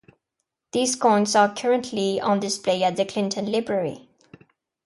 These coins are currently on display at the Clinton Library.